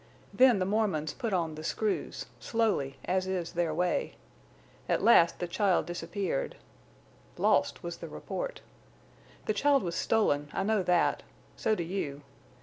Then the Mormons put on the screws—slowly, as is their way. At last the child disappeared. 'Lost' was the report. The child was stolen, I know that. So do you.